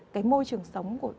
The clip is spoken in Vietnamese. cái môi trường sống của